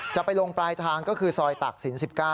จะไปลงปลายทางก็คือซอยตากศิลป๑๙